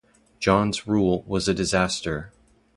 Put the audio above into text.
John's rule was a disaster.